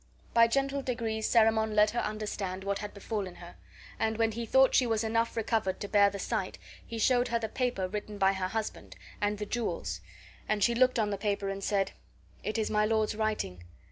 By gentle degrees Cerimon let her understand what had befallen her; and when he thought she was enough recovered to bear the sight he showed her the paper written by her husband, and the jewels; and she looked on the paper and said: "It is my lord's writing.